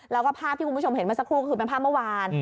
แล้วก็ภาพที่คุณผู้ชมเห็นเมื่อสักครู่ก็คือเป็นภาพเมื่อวาน